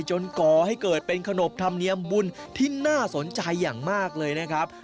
ก่อให้เกิดเป็นขนบธรรมเนียมบุญที่น่าสนใจอย่างมากเลยนะครับ